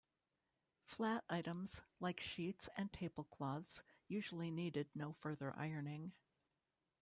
Flat items, like sheets and tablecloths, usually needed no further ironing.